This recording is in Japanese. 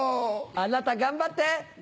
あなた頑張って。